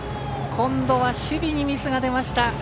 今度は守備にミスが出ました。